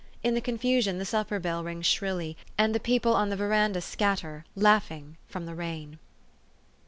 In the confusion the supper bell rings shrilly, and the people on the veranda scatter, laughing, from the rain.